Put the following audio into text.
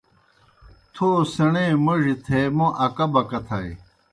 تھو سیْݨے موڙیْ تھے موْ اکہ بکہ تھائے۔